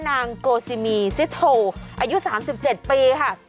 นางโกซิมีซิโทอายุ๓๗ปีค่ะ